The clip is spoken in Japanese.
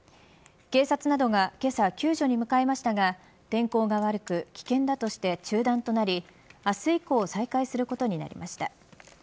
警察などがけさ、救助に向かいましたが天候が悪く危険だとして中断となり明日以降再開することになりました。